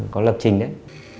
có lập trình đấy